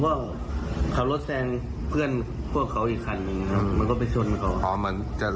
ไม่ครับผมก็ขาวรถแซงเพื่อนพวกเขาอีกคันมันก็ไปชนก่อน